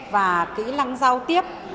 và kỹ lăng giao tiếp